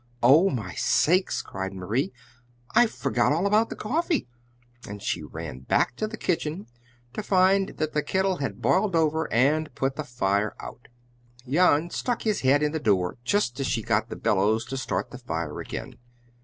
"Oh, my sakes!" cried Marie; "I forgot all about the coffee!" And she ran back to the kitchen, to find that the kettle had boiled over and put the fire out. Jan stuck hid head in the door, just as she got the bellows to start the fire again.